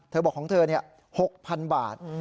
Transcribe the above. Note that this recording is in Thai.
เธอบอกของเธอนี่๖๐๐๐บาท